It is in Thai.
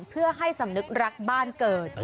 เพื่อให้สำนึกรักบ้านเกิด